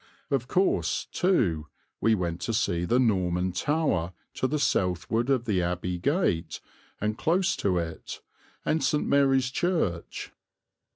Of course, too, we went to see the Norman Tower, to the southward of the Abbey Gate and close to it, and St. Mary's Church.